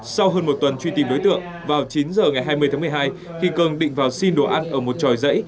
sau hơn một tuần truy tìm đối tượng vào chín h ngày hai mươi tháng một mươi hai khi cường định vào xin đồ ăn ở một tròi dãy